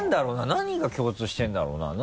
何が共通してるんだろうな？